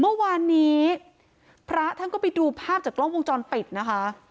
เมื่อวานนี้พระท่านก็ไปดูภาพจากกล้องวงจรปิดนะคะ